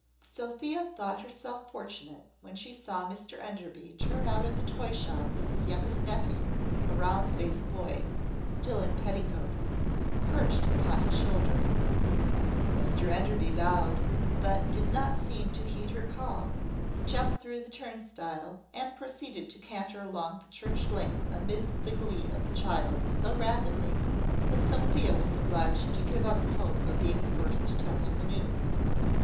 Sophia thought herself fortunate when she saw Mr Enderby turn out of the toy shop with his youngest nephew, a round faced boy, still in petticoats, perched upon his shoulder. Mr Enderby bowed, but did not seem to heed her call: he jumped through the turnstile, and proceeded to canter along the church lane amidst the glee of the child so rapidly, that Sophia was obliged to give up the hope of being the first to tell him the news.